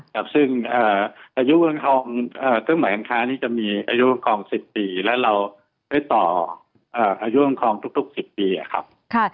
และเราต่ออายุกำความขอมทุก๑๐ปีครับ